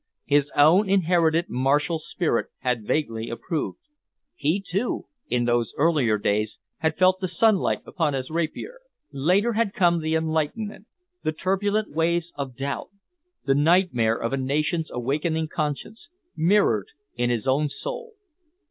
His own inherited martial spirit had vaguely approved; he, too, in those earlier days, had felt the sunlight upon his rapier. Later had come the enlightenment, the turbulent waves of doubt, the nightmare of a nation's awakening conscience, mirrored in his own soul.